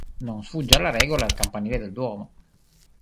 Non sfugge alla regola il campanile del Duomo.